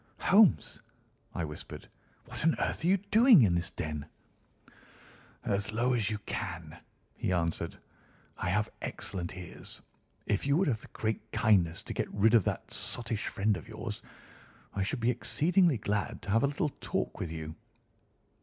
"Holmes!" I whispered, "what on earth are you doing in this den?" "As low as you can," he answered; "I have excellent ears. If you would have the great kindness to get rid of that sottish friend of yours I should be exceedingly glad to have a little talk with you."